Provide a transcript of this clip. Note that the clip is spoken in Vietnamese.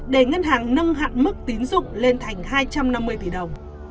để ngân hàng nâng hạn mức tín dụng lên thành hai trăm năm mươi tỷ đồng